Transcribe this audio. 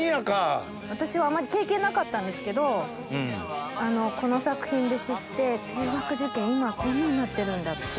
私はあまり経験なかったんですけどこの作品で知って中学受験今こんななってるんだっていう。